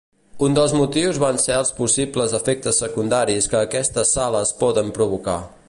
Un dels motius van ser els possibles efectes secundaris que aquestes sales poden provocar.